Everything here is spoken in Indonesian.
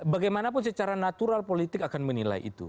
bagaimanapun secara natural politik akan menilai itu